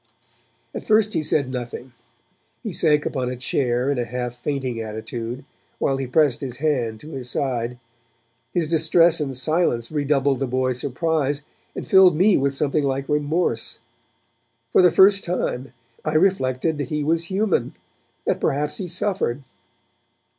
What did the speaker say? At first he said nothing. He sank upon a chair in a half fainting attitude, while he pressed his hand to his side; his distress and silence redoubled the boys' surprise, and filled me with something like remorse. For the first time, I reflected that he was human, that perhaps he suffered.